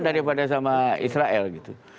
daripada sama israel gitu